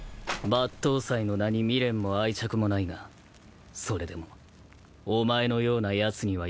抜刀斎の名に未練も愛着もないがそれでもお前のようなやつには譲れんよ。